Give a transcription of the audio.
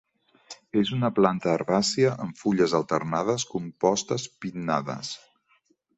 És una planta herbàcia amb fulles alternades compostes pinnades.